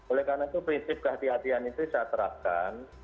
oleh karena itu prinsip ke hati hatian itu saya terapkan